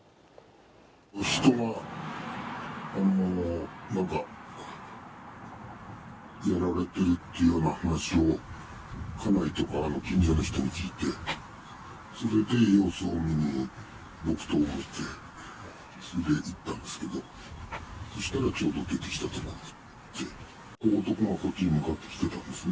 人がなんかやられてるっていうような話を、家内とか近所の人に聞いて、それで様子を見に木刀を持って、それで行ったんですけど、そしたらちょうど出てきたところで、男がこっちに向かってきてたんですね。